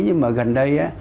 nhưng mà gần đây